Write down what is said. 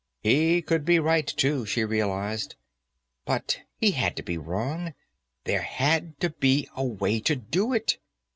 He could be right, too, she realized. But he had to be wrong; there had to be a way to do it.